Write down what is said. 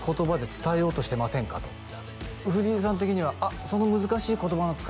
「伝えようとしてませんか？」と藤井さん的には「あっその難しい言葉の使い方」